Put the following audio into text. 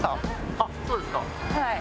あっそうですか。